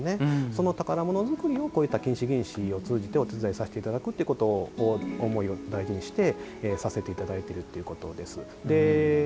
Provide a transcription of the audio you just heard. その宝ものづくりをこういった金糸、銀糸を通じてお手伝いさせていただくという思いを大事にしてさせていただいてるということです。